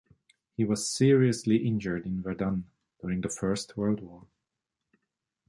He was seriously injured in Verdun during the First World War.